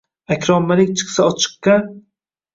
Аkrom Malik chiqsa ochiqqa